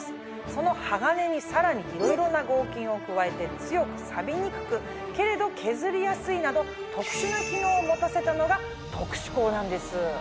その鋼にさらにいろいろな合金を加えて強くさびにくくけれど削りやすいなど特殊な機能を持たせたのが特殊鋼なんです。